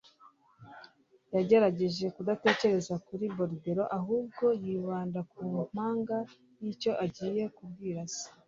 Yagerageje kudatekereza kuri Bordeaux, ahubwo yibanda ku mpanga n'icyo agiye kubwira se.